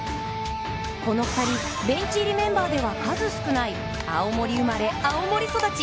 この２人、ベンチ入りメンバーでは数少ない、青森生まれ、青森育ち。